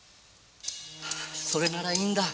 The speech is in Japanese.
それならいいんだ。